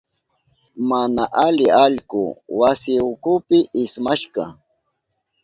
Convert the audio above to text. Mana ali allku wasi ukupi ismashka.